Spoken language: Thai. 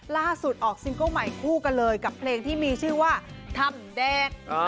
ล่าสุดออกซิงเกิ้ลใหม่คู่กันเลยกับเพลงที่มีชื่อว่าถ้ำแดง